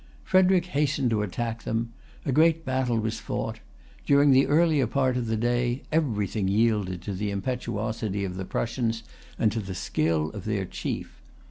Frederic hastened to attack them. A great battle was fought. During the earlier part of the day everything yielded to the impetuosity of the Prussians, and to the skill of their chief.